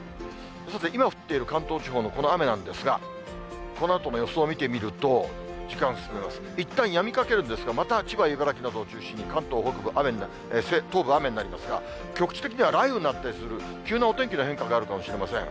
さて、今降っている関東地方のこの雨なんですが、このあとの予想を見てみると、時間進めます、いったんやみかけるんですが、また千葉、茨城などを中心に関東北部、東部、雨になりますが、局地的には雷雨になったりする、急なお天気の変化があるかもしれません。